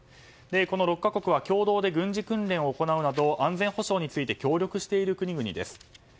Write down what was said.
この６か国は共同で軍事訓練を行うなど安全保障について協力している国々です。